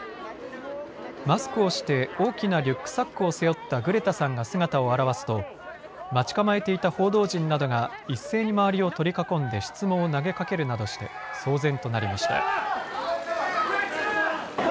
マスクをして大きなリュックサックを背負ったグレタさんが姿を現すと待ち構えていた報道陣などが一斉に周りを取り囲んで質問を投げかけるなどして騒然となりました。